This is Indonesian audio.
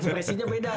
beda ekspresinya beda